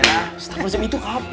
astaghfirullahaladzim itu kapan